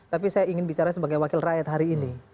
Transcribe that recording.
tapi saya ingin bicara sebagai wakil rakyat hari ini